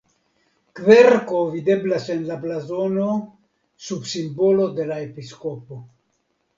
Kverko videblas en la blazono sub simbolo de la episkopo.